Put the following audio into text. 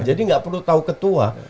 jadi gak perlu tau ketua